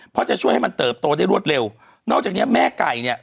เพราะจะช่วยให้มันเติบโตได้รวดเร็วนอกจากเนี้ยแม่ไก่เนี่ย